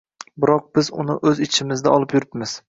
Biroq biz uni o‘z ichimizda olib yuribmiz